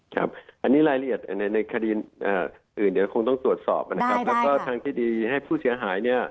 ครับอันนี้รายละเอียดในคดีอื่นเดี๋ยวคงต้องตรวจสอบนะครับแล้วก็ทางที่ดีให้ผู้เสียหายเนี่ย